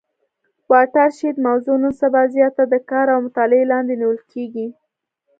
واټر شید موضوع نن سبا زیاته د کار او مطالعې لاندي نیول کیږي.